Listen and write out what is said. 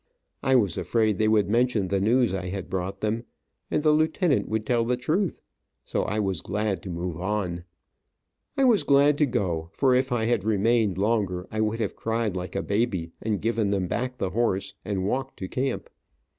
I was afraid they would mention the news I had brought them, and the lieutenant would tell the truth, so I was glad to move. I was glad to go, for if I had remained longer I would have cried like a baby, and given them back the horse, and walked to camp.